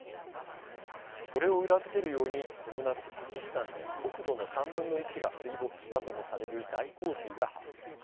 これを裏付けるようにこの夏、パキスタンで国土の３分の１が水没したともされる大洪水が発生。